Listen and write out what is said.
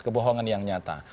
kebohongan yang nyata